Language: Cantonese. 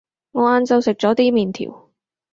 我晏晝食咗啲麵條